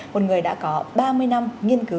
một người đã có ba mươi năm nghiên cứu